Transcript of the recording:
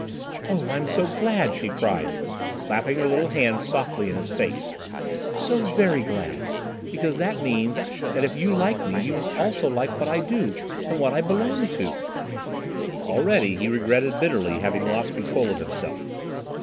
"Oh, I'm so glad!" she cried, clapping her little hands softly in his face, "so very glad, because that means that if you like me you must also like what I do, and what I belong to." Already he regretted bitterly having lost control of himself.